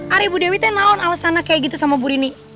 ari ibu dewi teh naon alasana kayak gitu sama buru ini